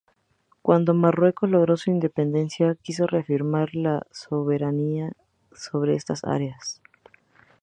Cuando Marruecos logró su independencia, quiso reafirmar la soberanía sobre estas áreas.